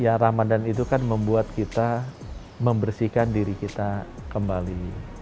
ya ramadan itu kan membuat kita membersihkan diri kita kembali